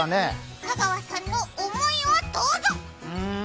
香川さんの思いをどうぞ。